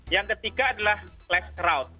yang ketiga adalah less crowd